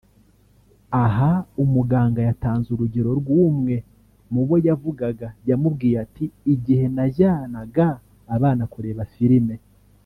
Aha umuganga yatanze urugero rw’umwe mu bo yavuraga yamubwiye ati “Igihe najyanaga abana kureba filime